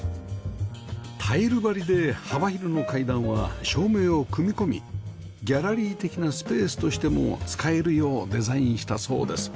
タイル張りで幅広の階段は照明を組み込みギャラリー的なスペースとしても使えるようデザインしたそうです